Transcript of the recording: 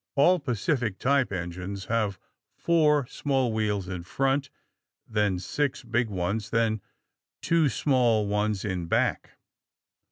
All Pacific type engines have four small wheels in front, then six big ones, then two small ones in back.